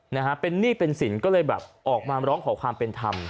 นะฮะเป็นหนี้เป็นสินก็เลยแบบออกมาร้องขอความเป็นธรรม